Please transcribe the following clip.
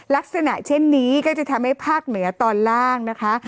ลักษณะเช่นนี้ก็จะทำให้ภาคเหนือตอนล่างนะคะ